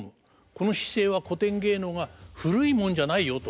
この姿勢は古典芸能が古いもんじゃないよと。